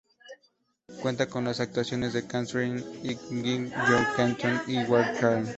Cuenta con las actuaciones de Kathryn McGuire, Joe Keaton y Ward Crane.